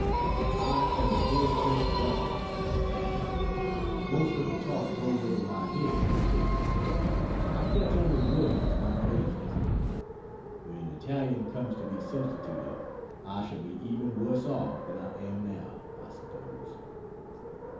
I am the head French duffer of the family. Most of the talk goes over my head at the table. I catch only words, not phrases. When Italian comes to be substituted I shall be even worse off than I am now, I suppose.